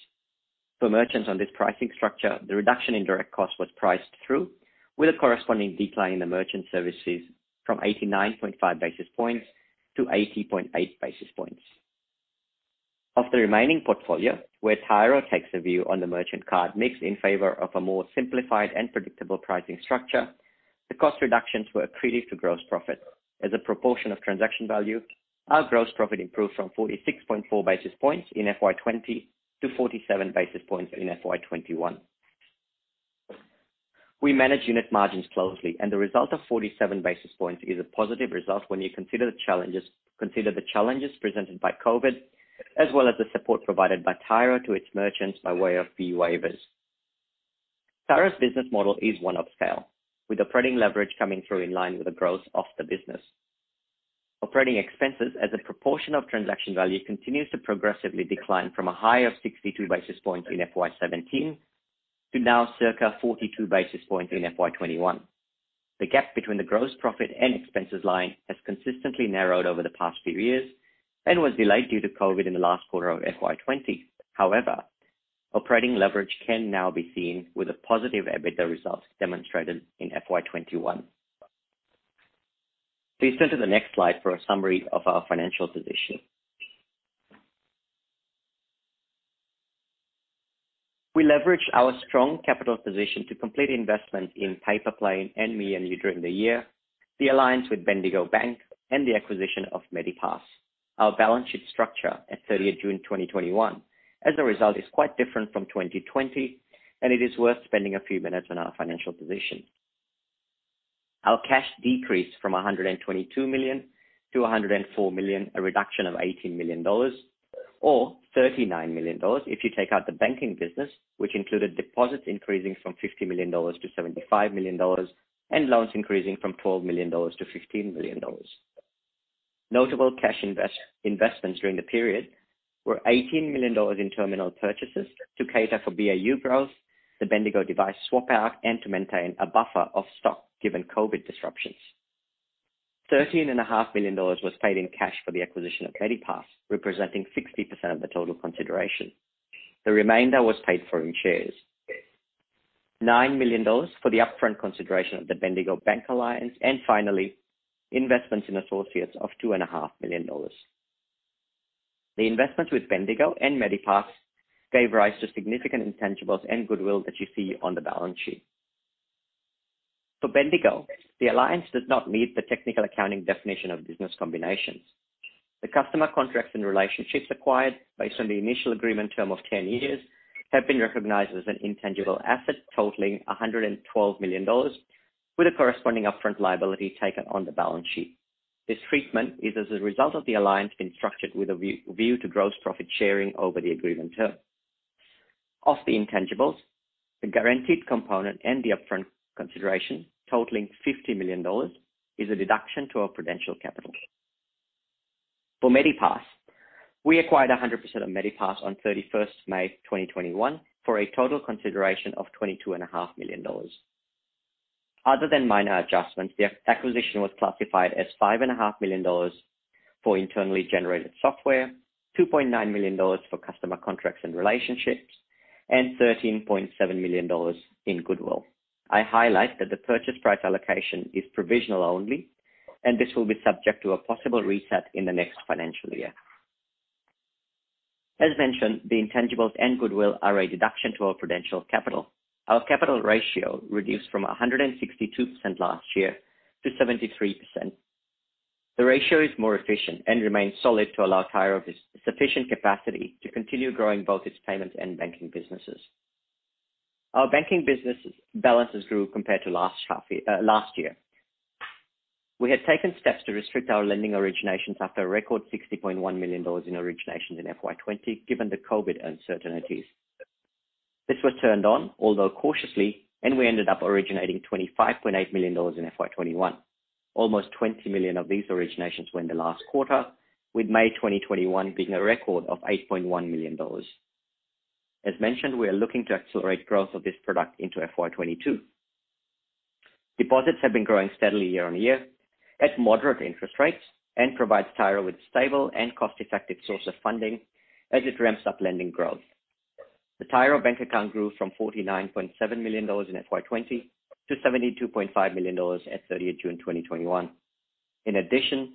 For merchants on this pricing structure, the reduction in direct cost was priced through with a corresponding decline in the merchant services from 89.5 basis points to 80.8 basis points. Of the remaining portfolio, where Tyro takes a view on the merchant card mix in favor of a more simplified and predictable pricing structure, the cost reductions were accretive to gross profit. As a proportion of transaction value, our gross profit improved from 46.4 basis points in FY 2020 to 47 basis points in FY 2021. We manage unit margins closely, and the result of 47 basis points is a positive result when you consider the challenges presented by COVID, as well as the support provided by Tyro to its merchants by way of fee waivers. Tyro's business model is one of scale, with operating leverage coming through in line with the growth of the business. Operating expenses as a proportion of transaction value continues to progressively decline from a high of 62 basis points in FY 2017 to now circa 42 basis points in FY 2021. The gap between the gross profit and expenses line has consistently narrowed over the past few years and was delayed due to COVID in the last quarter of FY 2020. Operating leverage can now be seen with the positive EBITDA results demonstrated in FY 2021. Please turn to the next slide for a summary of our financial position. We leveraged our strong capital position to complete investment in Paypa Plane and me&u during the year, the alliance with Bendigo Bank, and the acquisition of Medipass. Our balance sheet structure at 30th June 2021, as a result, is quite different from 2020, and it is worth spending a few minutes on our financial position. Our cash decreased from 122 million to 104 million, a reduction of 18 million dollars. 39 million dollars if you take out the banking business, which included deposits increasing from 50 million dollars to 75 million dollars and loans increasing from 12 million dollars to 15 million dollars. Notable cash investments during the period were 18 million dollars in terminal purchases to cater for BAU growth, the Bendigo device swap-out, and to maintain a buffer of stock given COVID disruptions. 13.5 million dollars was paid in cash for the acquisition of Medipass, representing 60% of the total consideration. The remainder was paid for in shares. 9 million dollars for the upfront consideration of the Bendigo Bank alliance, and finally, investments in associates of 2.5 million dollars. The investments with Bendigo and Medipass gave rise to significant intangibles and goodwill that you see on the balance sheet. For Bendigo, the alliance does not meet the technical accounting definition of business combinations. The customer contracts and relationships acquired based on the initial agreement term of 10 years have been recognized as an intangible asset totaling 112 million dollars with a corresponding upfront liability taken on the balance sheet. This treatment is as a result of the alliance being structured with a view to gross profit sharing over the agreement term. Of the intangibles, the guaranteed component and the upfront consideration totaling 50 million dollars is a deduction to our prudential capital. For Medipass, we acquired 100% of Medipass on 31st May 2021 for a total consideration of 22.5 million dollars. Other than minor adjustments, the acquisition was classified as 5.5 million dollars for internally generated software, 2.9 million dollars for customer contracts and relationships, and 13.7 million dollars in goodwill. I highlight that the purchase price allocation is provisional only, and this will be subject to a possible reset in the next financial year. As mentioned, the intangibles and goodwill are a deduction to our prudential capital. Our capital ratio reduced from 162% last year to 73%. The ratio is more efficient and remains solid to allow Tyro sufficient capacity to continue growing both its payments and banking businesses. Our banking balances grew compared to last year. We had taken steps to restrict our lending originations after a record 60.1 million dollars in originations in FY 2020, given the COVID uncertainties. This was turned on, although cautiously, and we ended up originating 25.8 million dollars in FY 2021. Almost 20 million of these originations were in the last quarter, with May 2021 being a record of 8.1 million dollars. As mentioned, we are looking to accelerate growth of this product into FY 2022. Deposits have been growing steadily year-over-year at moderate interest rates, and it provides Tyro with stable and cost-effective source of funding as it ramps up lending growth. The Tyro Bank Account grew from 49.7 million dollars in FY 2020 to 72.5 million dollars at 30th June 2021. In addition,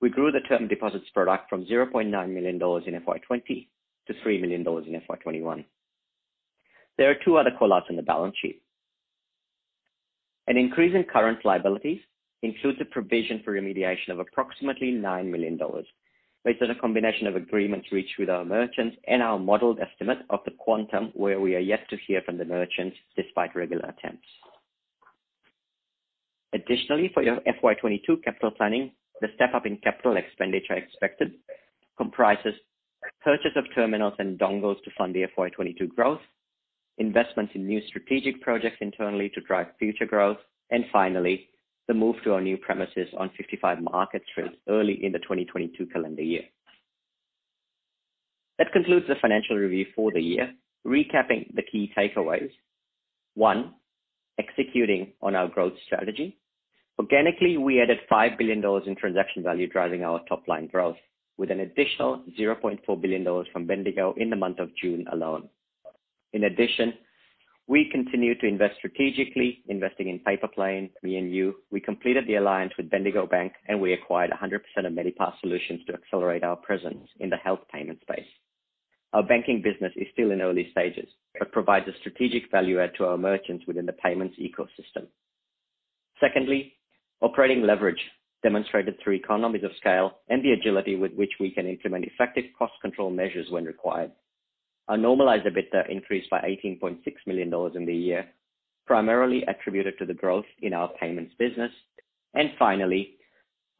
we grew the term deposits product from 0.9 million dollars in FY 2020 to 3 million dollars in FY 2021. There are two other call-outs on the balance sheet. An increase in current liabilities includes a provision for remediation of approximately 9 million dollars, based on a combination of agreements reached with our merchants and our modeled estimate of the quantum where we are yet to hear from the merchants despite regular attempts. Additionally, for your FY 2022 capital planning, the step-up in capital expenditure expected comprises purchase of terminals and dongles to fund the FY 2022 growth, investments in new strategic projects internally to drive future growth, and finally, the move to our new premises on 55 Market Street early in the 2022 calendar year. That concludes the financial review for the year. Recapping the key takeaways. One, executing on our growth strategy. Organically, we added 5 billion dollars in transaction value driving our top-line growth with an additional 0.4 billion dollars from Bendigo in the month of June alone. In addition, we continue to invest strategically, investing in Paypa Plane, me&u. We completed the alliance with Bendigo Bank, and we acquired 100% of Medipass Solutions to accelerate our presence in the health payment space. Our banking business is still in early stages, but provides a strategic value add to our merchants within the payments ecosystem. Secondly, operating leverage demonstrated through economies of scale and the agility with which we can implement effective cost control measures when required. Our normalized EBITDA increased by 18.6 million dollars in the year, primarily attributed to the growth in our payments business. Finally,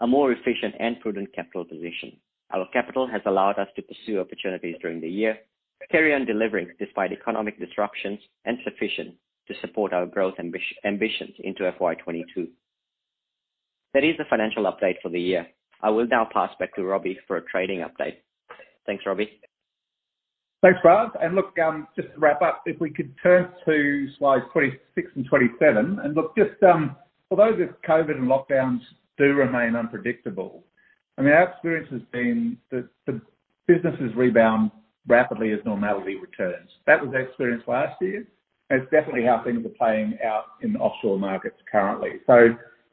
a more efficient and prudent capital position. Our capital has allowed us to pursue opportunities during the year, carry on delivering despite economic disruptions, and sufficient to support our growth ambitions into FY 2022. That is the financial update for the year. I will now pass back to Robbie for a trading update. Thanks, Robbie. Thanks, Prav. Look, just to wrap up, if we could turn to slides 26 and 27. Look, although this COVID and lockdowns do remain unpredictable, I mean, our experience has been that the businesses rebound rapidly as normality returns. That was our experience last year, and it's definitely how things are playing out in the offshore markets currently.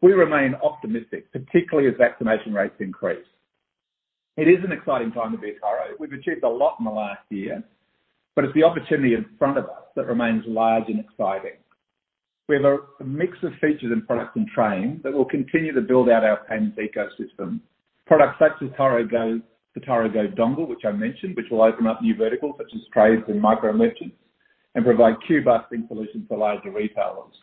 We remain optimistic, particularly as vaccination rates increase. It is an exciting time to be at Tyro. We've achieved a lot in the last year, but it's the opportunity in front of us that remains large and exciting. We have a mix of features and products in train that will continue to build out our payments ecosystem. Products such as Tyro Go Dongle, which I mentioned, which will open up new verticals such as trades and micro-merchants, and provide queue-busting solutions for larger retailers.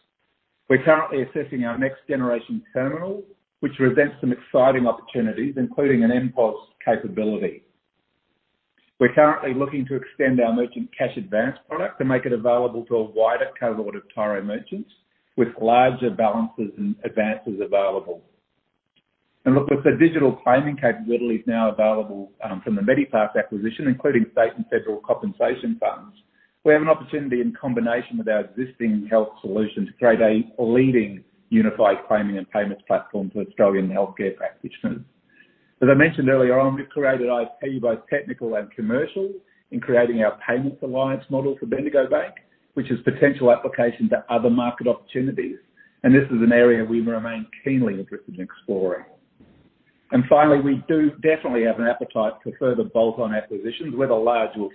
We're currently assessing our next generation terminal, which presents some exciting opportunities, including an MPOS capability. We're currently looking to extend our merchant cash advance product and make it available to a wider cohort of Tyro merchants with larger balances and advances available. Look, with the digital claiming capability that is now available from the Medipass acquisition, including state and federal compensation funds, we have an opportunity in combination with our existing health solution to create a leading unified claiming and payments platform for Australian healthcare practitioners. As I mentioned earlier on, we've created IP, both technical and commercial, in creating our payments alliance model for Bendigo Bank, which has potential application to other market opportunities. This is an area we remain keenly interested in exploring. Finally, we do definitely have an appetite for further bolt-on acquisitions, whether large or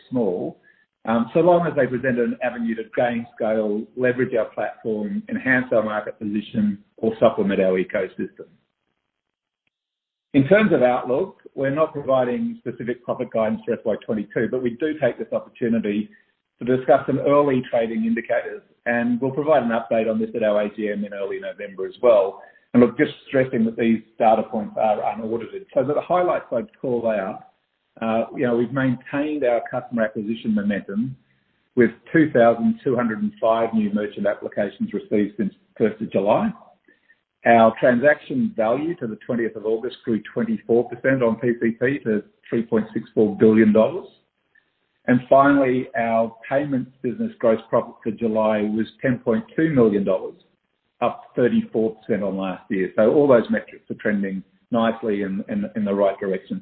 small, so long as they present an avenue to gain scale, leverage our platform, enhance our market position, or supplement our ecosystem. In terms of outlook, we're not providing specific profit guidance for FY 2022. We do take this opportunity to discuss some early trading indicators, and we'll provide an update on this at our AGM in early November as well. Look, just stressing that these data points are unaudited. The highlights I'd call out, we've maintained our customer acquisition momentum with 2,205 new merchant applications received since the 1st of July. Our transaction value to the 20th of August grew 24% on pcp to 3.64 billion dollars. Finally, our payments business gross profit for July was 10.2 million dollars, up 34% on last year. All those metrics are trending nicely in the right direction.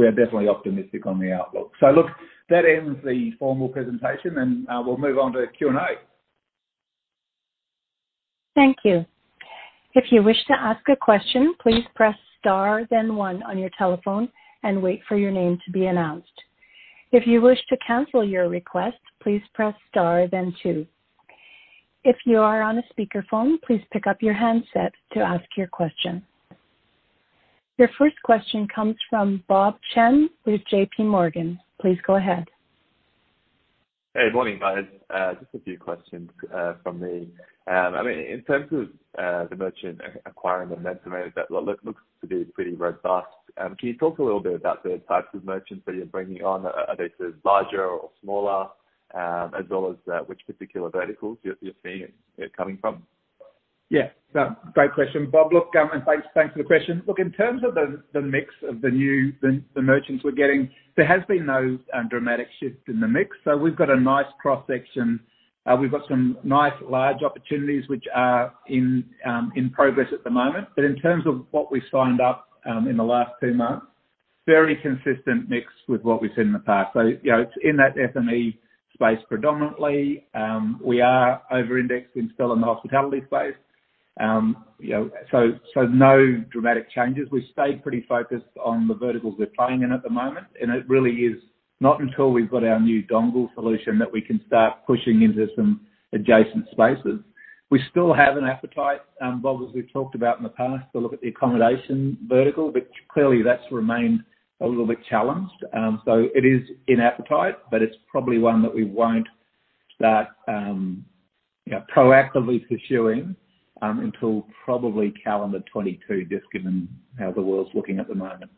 We're definitely optimistic on the outlook. Look, that ends the formal presentation, and we'll move on to Q&A. Your first question comes from Bob Chen with JPMorgan. Please go ahead. Hey, good morning, guys. Just a few questions from me. In terms of the merchant acquiring net promoter, that looks to be pretty robust. Can you talk a little bit about the types of merchants that you're bringing on? Are they sort of larger or smaller? As well as which particular verticals you're seeing it coming from? No, great question, Bob. Thanks for the question. In terms of the mix of the merchants we're getting, there has been no dramatic shift in the mix. We've got a nice cross-section. We've got some nice large opportunities which are in progress at the moment. In terms of what we signed up in the last two months, very consistent mix with what we've seen in the past. It's in that SME space predominantly. We are over-indexed in still in the hospitality space. No dramatic changes. We've stayed pretty focused on the verticals we're playing in at the moment, and it really is not until we've got our new dongle solution that we can start pushing into some adjacent spaces. We still have an appetite, Robert, as we've talked about in the past, to look at the accommodation vertical, but clearly that's remained a little bit challenged. It is in appetite, but it's probably one that we won't start proactively pursuing, until probably calendar 2022, just given how the world's looking at the moment.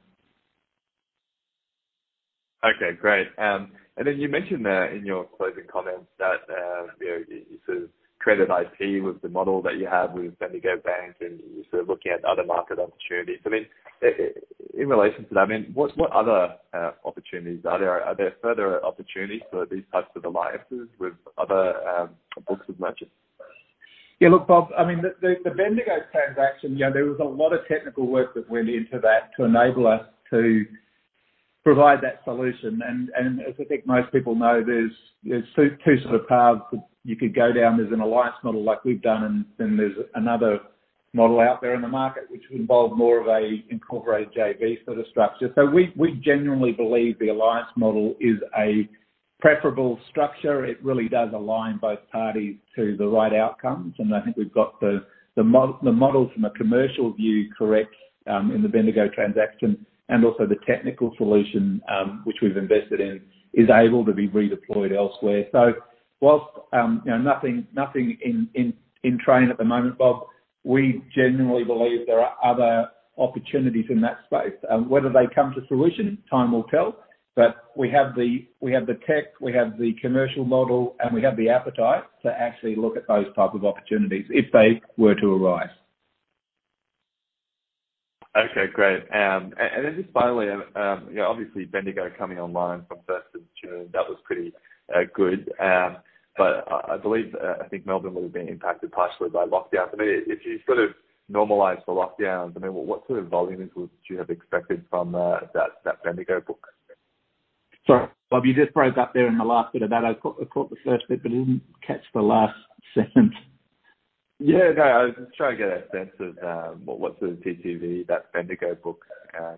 Okay, great. You mentioned there in your closing comments that you said created IP with the model that you have with Bendigo Bank and you're sort of looking at other market opportunities. In relation to that, what other opportunities are there? Are there further opportunities for these types of alliances with other books of merchants? Yeah, look, Bob, the Bendigo transaction, there was a lot of technical work that went into that to enable us to provide that solution. As I think most people know, there's two sort of paths that you could go down. There's an alliance model like we've done, and then there's another model out there in the market which would involve more of a incorporated JV sort of structure. We genuinely believe the alliance model is a preferable structure. It really does align both parties to the right outcomes. I think we've got the model from a commercial view correct, in the Bendigo transaction. Also the technical solution, which we've invested in, is able to be redeployed elsewhere. Whilst, nothing in train at the moment, Bob, we genuinely believe there are other opportunities in that space. Whether they come to solution, time will tell. We have the tech, we have the commercial model, and we have the appetite to actually look at those type of opportunities if they were to arise. Okay, great. Just finally, obviously Bendigo coming online from first of June, that was pretty good. I believe, I think Melbourne would have been impacted partially by lockdowns. If you sort of normalize the lockdowns, what sort of volumes would you have expected from that Bendigo book? Sorry, Bob, you just broke up there in the last bit of that. I caught the first bit, but I didn't catch the last sentence. Yeah, no, I was trying to get a sense of what sort of TTV that Bendigo book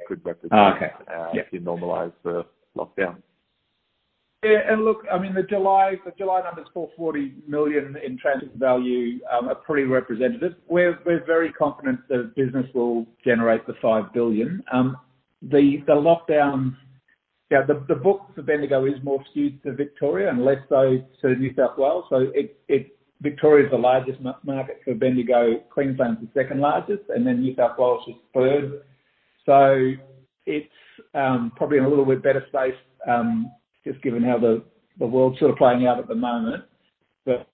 could represent. Oh, okay. Yeah. if you normalize the lockdown. Look, the July numbers, 440 million in transit value, are pretty representative. We're very confident the business will generate the 5 billion. The book for Bendigo is more skewed to Victoria and less so to New South Wales. Victoria is the largest market for Bendigo. Queensland is the second largest, then New South Wales is third. It's probably in a little bit better space, just given how the world's sort of playing out at the moment. The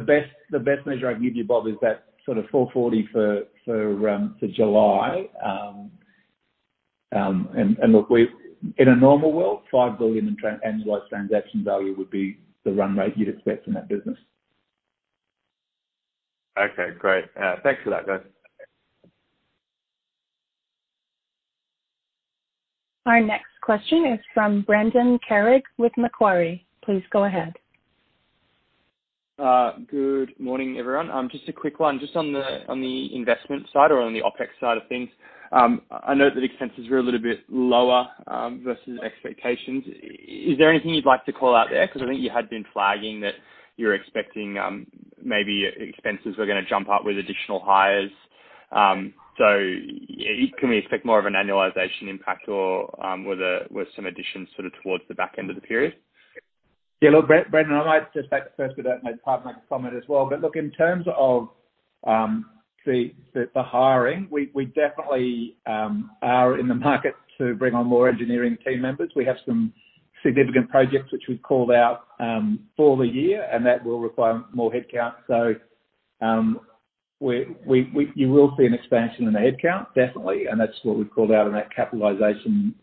best measure I can give you, Bob, is that sort of 440 for July. Look, in a normal world, 5 billion in annualized transaction value would be the run rate you'd expect from that business. Okay, great. Thanks for that, guys. Our next question is from Brendan Carrig with Macquarie. Please go ahead. Good morning, everyone. Just a quick one. Just on the investment side or on the OpEx side of things, I note that expenses were a little bit lower versus expectations. Is there anything you'd like to call out there? I think you had been flagging that you were expecting maybe expenses were going to jump up with additional hires. Can we expect more of an annualization impact or were there some additions sort of towards the back end of the period? Look, Brendan, I might just start first with that, and maybe Praveen might comment as well. Look, in terms of the hiring, we definitely are in the market to bring on more engineering team members. We have some significant projects which we've called out for the year, and that will require more headcount. You will see an expansion in the headcount, definitely. That's what we've called out in that capitalization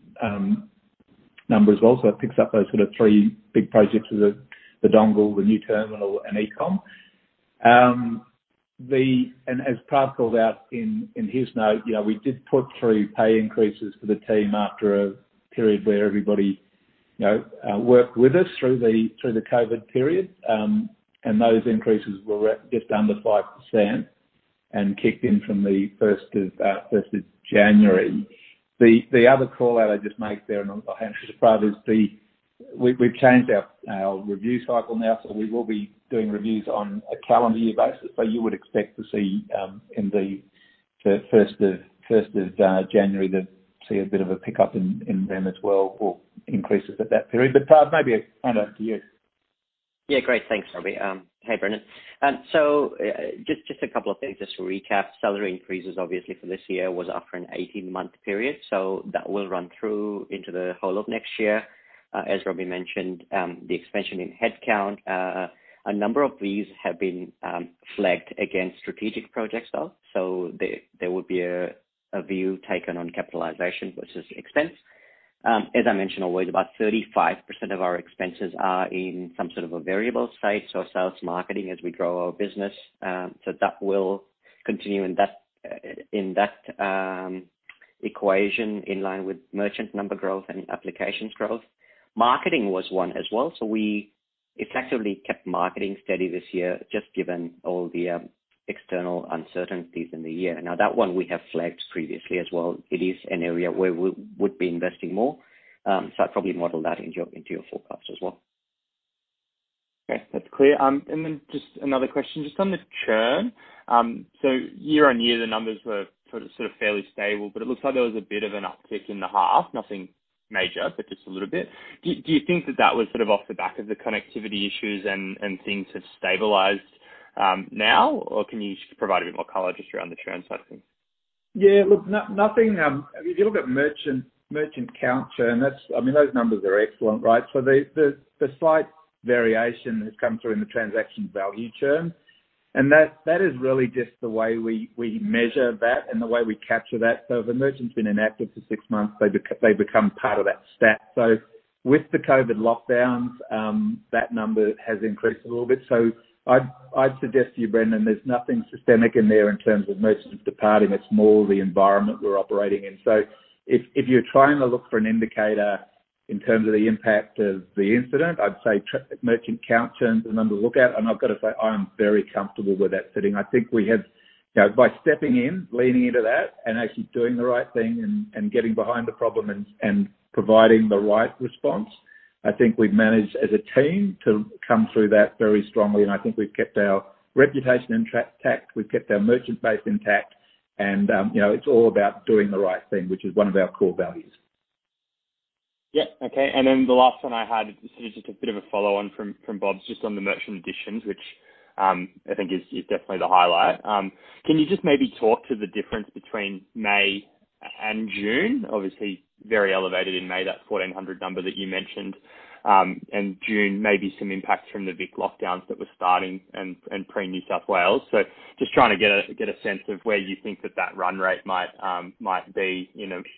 number as well. It picks up those sort of three big projects. The dongle, the new terminal, and eCom. As Praveen called out in his note, we did put through pay increases for the team after a period where everybody worked with us through the COVID period. Those increases were just under 5% and kicked in from the 1st of January. The other call-out I'd just make there, and I'll hand it to Praveen, is we've changed our review cycle now, so we will be doing reviews on a calendar year basis. You would expect to see in the 1st of January a bit of a pickup in them as well or increases at that period. Prav, maybe I'll hand over to you. Yeah. Great. Thanks, Robbie. Hey, Brendan. Just a couple of things, just to recap. Salary increases, obviously, for this year was after an 18-month period, that will run through into the whole of next year. As Robbie mentioned, the expansion in headcount. A number of these have been flagged against strategic projects, though. There will be a view taken on capitalization versus expense. As I mention always, about 35% of our expenses are in some sort of a variable state, so sales, marketing, as we grow our business. That will continue in that equation in line with merchant number growth and applications growth. Marketing was one as well. We effectively kept marketing steady this year, just given all the external uncertainties in the year. Now, that one we have flagged previously as well. It is an area where we would be investing more. I'd probably model that into your forecasts as well. That's clear. Just another question. On the churn. Year-on-year, the numbers were sort of fairly stable, but it looks like there was a bit of an uptick in the half. Nothing major, but just a little bit. Do you think that was sort of off the back of the connectivity issues and things have stabilized now, or can you just provide a bit more color just around the churn side of things? Yeah. Look, if you look at merchant count churn, those numbers are excellent, right? The slight variation has come through in the transaction value churn. That is really just the way we measure that and the way we capture that. If a merchant's been inactive for six months, they become part of that stat. With the COVID lockdowns, that number has increased a little bit. I'd suggest to you, Brendan, there's nothing systemic in there in terms of merchants departing. It's more the environment we're operating in. If you're trying to look for an indicator in terms of the impact of the incident, I'd say merchant count churn is the number to look at. I've got to say, I am very comfortable with that sitting. I think by stepping in, leaning into that, and actually doing the right thing and getting behind the problem and providing the right response, I think we've managed as a team to come through that very strongly. I think we've kept our reputation intact. We've kept our merchant base intact. It's all about doing the right thing, which is one of our core values. Yeah. Okay. Then the last one I had is just a bit of a follow-on from Robert Chen, just on the merchant additions, which I think is definitely the highlight. Can you just maybe talk to the difference between May and June? Obviously very elevated in May, that 1,400 number that you mentioned. June, maybe some impact from the Vic lockdowns that were starting and pre New South Wales. Just trying to get a sense of where you think that that run rate might be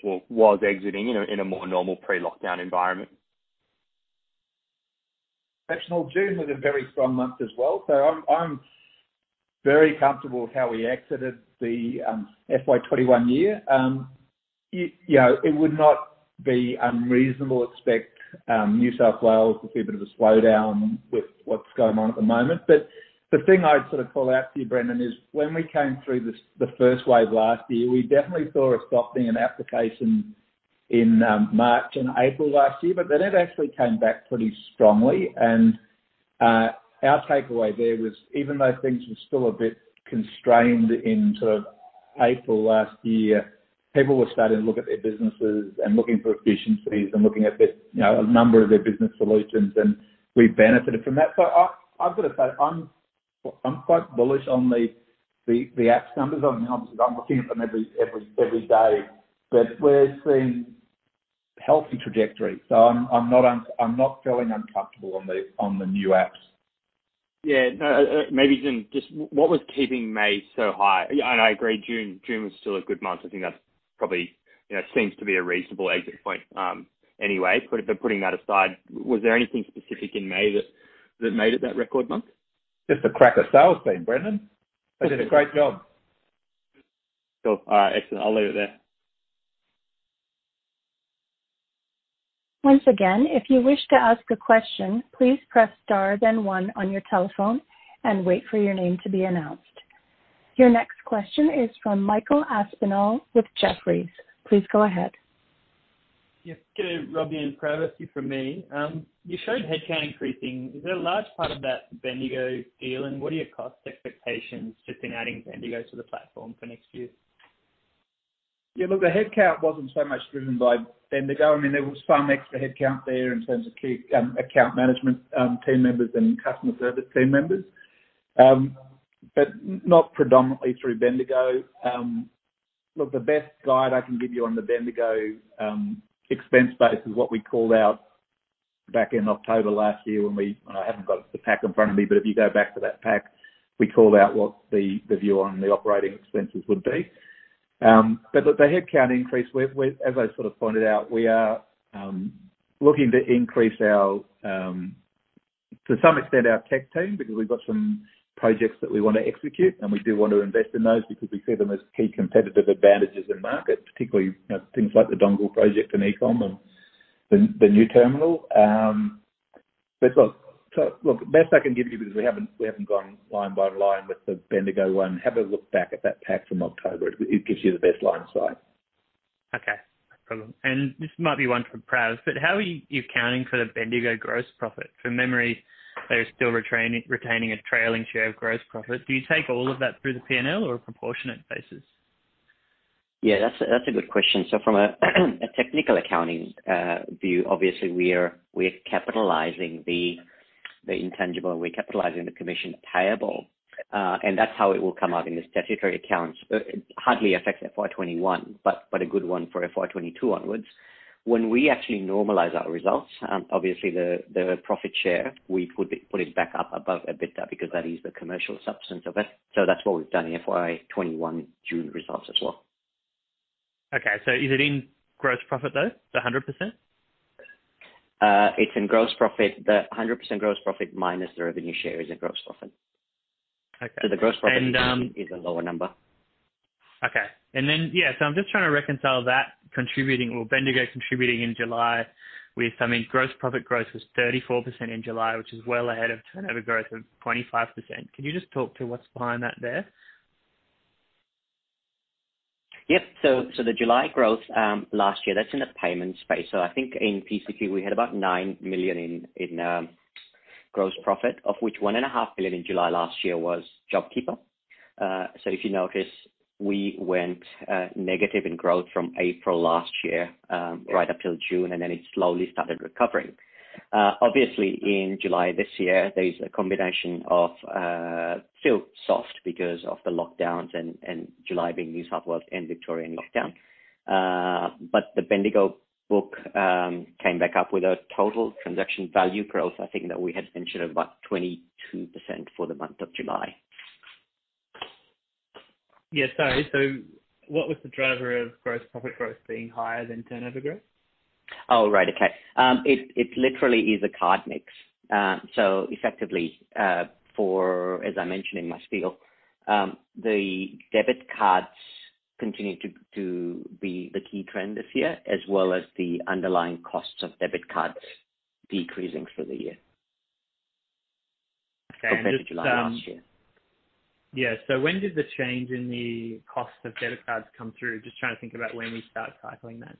or was exiting in a more normal pre-lockdown environment. June was a very strong month as well. I'm very comfortable with how we exited the FY 2021 year. It would not be unreasonable to expect New South Wales to see a bit of a slowdown with what's going on at the moment. The thing I'd sort of call out for you, Brendan, is when we came through the first wave last year, we definitely saw a softening in applications in March and April last year. It actually came back pretty strongly. Our takeaway there was even though things were still a bit constrained in April last year, people were starting to look at their businesses and looking for efficiencies and looking at a a number of their business solutions, and we benefited from that. I've got to say, I'm quite bullish on the apps numbers. Obviously, I'm looking at them every day. We're seeing healthy trajectory. I'm not feeling uncomfortable on the new apps. Yeah. No. Maybe just, what was keeping May so high? I agree, June was still a good month. I think that probably seems to be a reasonable exit point anyway. Putting that aside, was there anything specific in May that made it that record month? Just the crack of sales team, Brendan. They did a great job. Cool. All right, excellent. I'll leave it there. Your next question is from Michael Aspinall with Jefferies. Please go ahead. Yes. G'day, Robbie and Prav, a few from me. You showed headcount increasing. Is there a large part of that Bendigo Bank deal? What are your cost expectations just in adding Bendigo Bank to the platform for next year? Look, the headcount wasn't so much driven by Bendigo. There was some extra headcount there in terms of key account management team members and customer service team members. Not predominantly through Bendigo. Look, the best guide I can give you on the Bendigo expense base is what we called out back in October last year. I haven't got the pack in front of me, if you go back to that pack, we called out what the view on the operating expenses would be. Look, the headcount increase, as I sort of pointed out, we are looking to increase, to some extent, our tech team, because we've got some projects that we want to execute, and we do want to invest in those because we see them as key competitive advantages in market, particularly things like the Dongle project and eCom and the new terminal. Look, the best I can give you, because we haven't gone line by line with the Bendigo one. Have a look back at that pack from October. It gives you the best line of sight. Okay. No problem. This might be one for Prav. How are you accounting for the Bendigo gross profit? From memory, they're still retaining a trailing share of gross profit. Do you take all of that through the P&L or a proportionate basis? Yeah, that's a good question. From a technical accounting view, obviously, we're capitalizing the intangible, and we're capitalizing the commission payable. That's how it will come out in the statutory accounts. It hardly affects FY 2021, but a good one for FY 2022 onwards. When we actually normalize our results, obviously the profit share, we put it back up above EBITDA because that is the commercial substance of it. That's what we've done in FY 2021 June results as well. Okay. Is it in gross profit, though? The 100%? It's in gross profit. The 100% gross profit minus the revenue share is in gross profit. Okay. The gross profit is a lower number. I'm just trying to reconcile that contributing or Bendigo contributing in July with, I mean, gross profit growth was 34% in July, which is well ahead of turnover growth of 25%. Can you just talk to what is behind that there? Yep. The July growth last year, that's in the payment space. I think in pcp, we had about 9 million in gross profit, of which 1.5 billion in July last year was JobKeeper. If you notice, we went negative in growth from April last year right up till June, and then it slowly started recovering. Obviously, in July this year, there's a combination of still soft because of the lockdowns and July being New South Wales and Victoria in lockdown. The Bendigo book came back up with a total transaction value growth, I think, that we had mentioned about 22% for the month of July. Yeah. Sorry. What was the driver of gross profit growth being higher than turnover growth? Oh, right. Okay. It literally is a card mix. Effectively, as I mentioned in my spiel, the debit cards continue to be the key trend this year, as well as the underlying costs of debit cards decreasing through the year. Okay. Compared to July last year. Yeah. When did the change in the cost of debit cards come through? Just trying to think about when we start cycling that.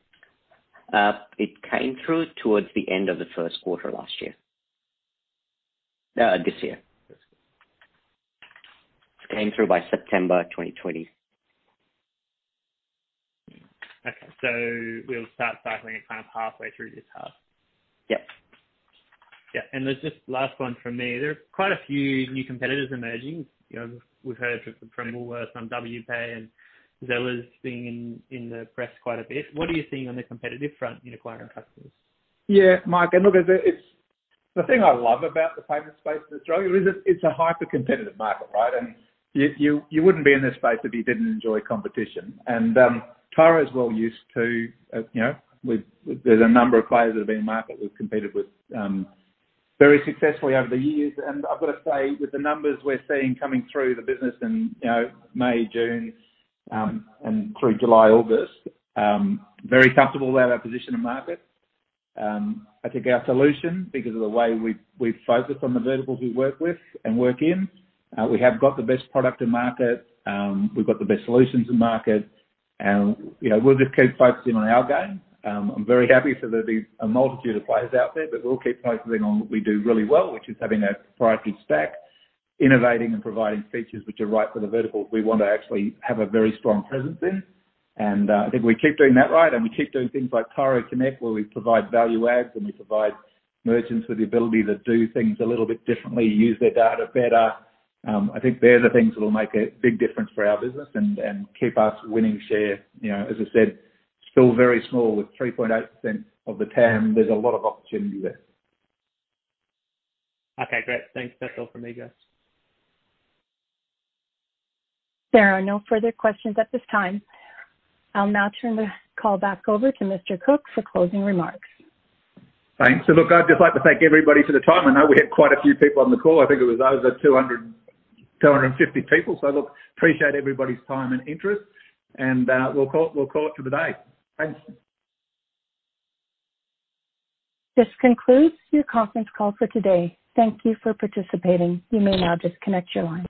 It came through towards the end of the first quarter last year. This year. That's good. It came through by September 2020. Okay. We'll start cycling it kind of halfway through this half. Yep. Yeah. There's just last one from me. There are quite a few new competitors emerging. We've heard from Woolworths on Wpay and Zeller being in the press quite a bit. What are you seeing on the competitive front in acquiring customers? Yeah. Mike, look, the thing I love about the payment space in Australia is it's a hyper-competitive market, right? You wouldn't be in this space if you didn't enjoy competition. Tyro is well used to, there's a number of players that have been in market we've competed with very successfully over the years. I've got to say, with the numbers we're seeing coming through the business in May, June, and through July, August, very comfortable about our position in market. I think our solution, because of the way we've focused on the verticals we work with and work in, we have got the best product in market. We've got the best solutions in market. We'll just keep focusing on our game. I'm very happy for the multitude of players out there, but we'll keep focusing on what we do really well, which is having that proprietary stack, innovating and providing features which are right for the vertical we want to actually have a very strong presence in. I think we keep doing that right, and we keep doing things like Tyro Connect, where we provide value adds, and we provide merchants with the ability to do things a little bit differently, use their data better. I think they're the things that will make a big difference for our business and keep us winning share. As I said, still very small with 3.8% of the TAM. There's a lot of opportunity there. Okay, great. Thanks. That is all from me, guys. There are no further questions at this time. I will now turn the call back over to Mr Cooke for closing remarks. Thanks. Look, I'd just like to thank everybody for the time. I know we had quite a few people on the call. I think it was over 250 people. Look, appreciate everybody's time and interest. We'll call it for the day. Thanks. This concludes your conference call for today. Thank you for participating. You may now disconnect your line.